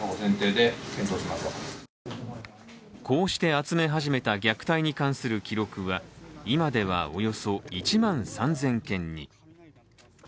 こうして集め始めた虐待に関する記録は今ではおよそ１万３０００件に。